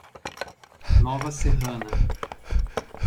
Nova Serrana